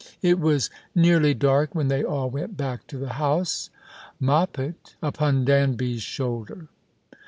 It was nearly dark when they all went back to the house, 3Ioppet upon Danby's shoulder.